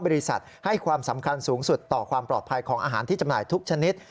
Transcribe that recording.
บริษัทให้ความสำคัญสูงสุดต่อความปลอดภัยของอาหารที่จำหน่ายทุกชนิด